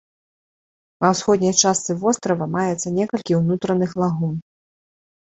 Ва ўсходняй частцы вострава маецца некалькі ўнутраных лагун.